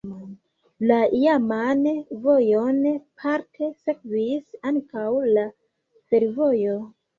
La iaman vojon parte sekvis ankaŭ la fervojo.